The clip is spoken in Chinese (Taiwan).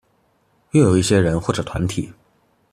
又有一些人或者團體